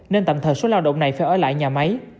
nên tạm thời số lao động này phải ở lại nhà máy